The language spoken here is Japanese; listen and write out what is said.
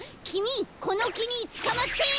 きみこのきにつかまって！